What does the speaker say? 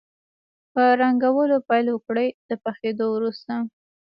په رنګولو پیل وکړئ د پخېدو وروسته.